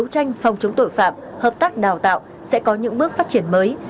tranh phòng chống tội phạm hợp tác đào tạo sẽ có những bước phát triển mới